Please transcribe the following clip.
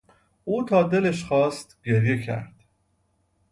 او تا دلش خواست گریه کرد.